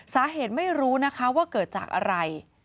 ไม่รู้นะคะว่าเกิดจากอะไร